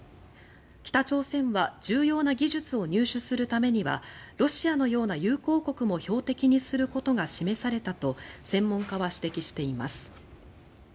北朝鮮は重要な技術を入手するためにはロシアのような友好国も標的にすることが示されたと専門家は指摘しています。